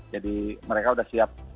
jadi mereka sudah siap